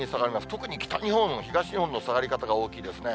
特に北日本、東日本の下がり方が大きいですね。